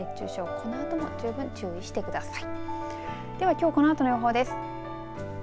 このあとも注意してください。